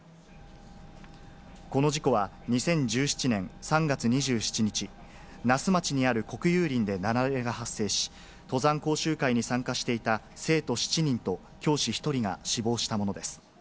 この事故は、２０１７年３月２７日、那須町にある国有林で雪崩が発生し、登山講習会に参加していた生徒７人と教師１人が死亡したものです。